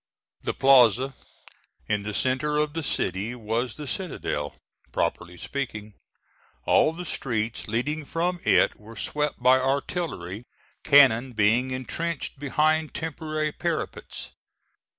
The plaza in the centre of the city was the citadel, properly speaking. All the streets leading from it were swept by artillery, cannon being intrenched behind temporary parapets.